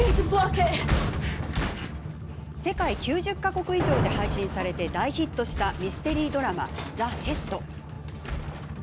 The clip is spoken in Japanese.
世界９０か国以上で配信されて大ヒットしたミステリードラマ「ＴＨＥＨＥＡＤ」。